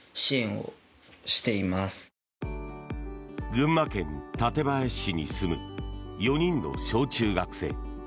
群馬県館林市に住む４人の小中学生。